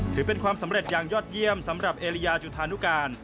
ถือเป็นความสำเร็จอย่างยอดเยี่ยมสำหรับเอริยาจุธานุการ